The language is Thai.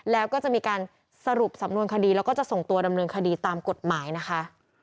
แล้วก็จะมีการสรุปสำนวนคดีแล้วก็จะส่งตัวดำเนินคดีตามกฎหมายนะคะ